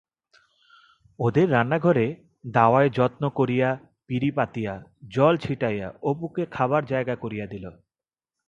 ওদের রান্নাঘরের দাওয়ায় যত্ন করিয়া পিড়ি পাতিয়া জল ছিটাইয়া অপুকে খাবার জায়গা করিয়া দিল।